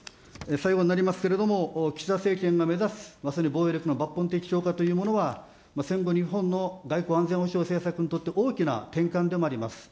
最後になりますけれども、岸田政権が目指すまさに防衛力の抜本的強化というものは戦後日本の外交安全保障政策において、大きな転換でもあります。